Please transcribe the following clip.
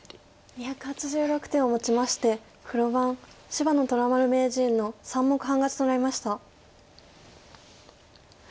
２８６手をもちまして黒番芝野虎丸名人の３目半勝ちとなりました。